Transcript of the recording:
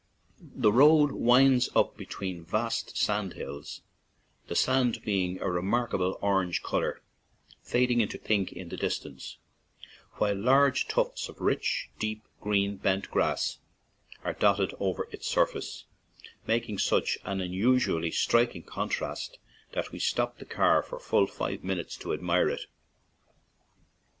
The road winds up between vast sand hills, the sand being of a remarkable orange color, fading into pink in the dis tance, while large tufts of rich, deep green bent grass are dotted over its surface, mak ing such an unusually striking contrast that we stopped the car for full five min utes to admire it.